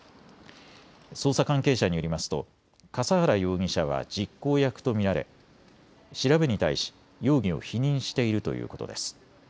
捜査関係者によりますと笠原容疑者は実行役と見られ調べに対し容疑を否認しているということです。